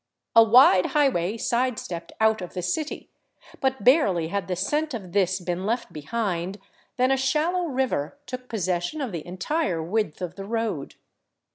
A wide highway sidestepped out of the city; but barely had the scent of this been left behind than a shallow river took possession of the entire width of the road.